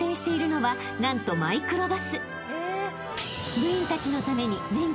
［部員たちのために］